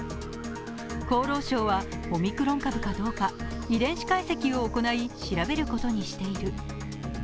厚労省はオミクロン株かどうか遺伝子解析を行い調べることにしている。